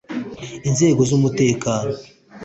Inzego z’umutekano